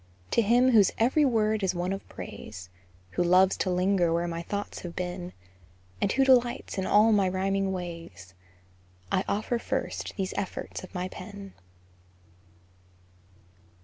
To him whose every word is one of praise, Who loves to linger where my thoughts have been, And who delights in all my rhyming ways, I offer first these efforts of my pen.